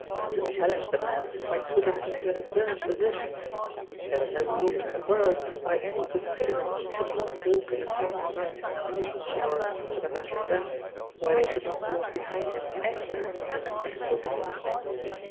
To challenge the man might put him into an absurd position; there was no reason in the world why any good citizen should not walk in the park at night, or, for the matter of that, why they should not walk behind him anywhere at a respectable distance.